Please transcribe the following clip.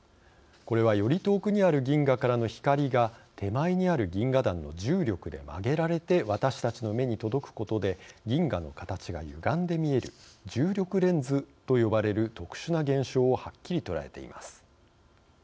これはより遠くにある銀河からの光が手前にある銀河団の重力で曲げられて私たちの目に届くことで銀河の形がゆがんで見える重力レンズと呼ばれる特殊な現象をはっきり捉えています。